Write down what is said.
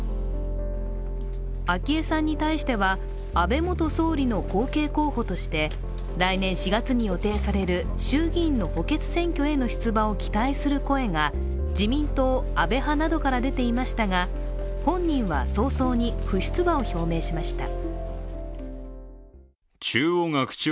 昭恵さんに対しては安倍元総理の後継候補として来年４月に予定される衆議院の補欠選挙への出馬を期待する声が自民党・安倍派などから出ていましたが、本人は早々に不出馬を表明しました。